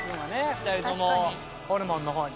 ２人ともホルモンの方に。